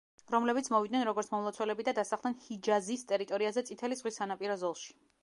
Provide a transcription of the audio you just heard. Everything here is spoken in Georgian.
რომლებიც მოვიდნენ როგორც მომლოცველები და დასახლდნენ ჰიჯაზის ტერიტორიაზე წითელი ზღვის სანაპირო ზოლში.